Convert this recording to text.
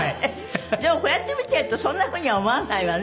でもこうやって見てるとそんな風には思わないわね。